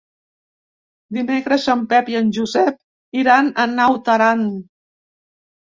Dimecres en Pep i en Josep iran a Naut Aran.